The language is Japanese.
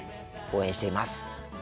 応援しています。